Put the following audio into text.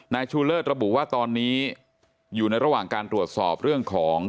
นายชูเลิศระบุว่าตอนนี้อยู่ในระหว่างการตรวจสอบเรื่องของ